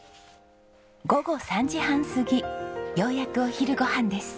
午後３時半過ぎようやくお昼ご飯です。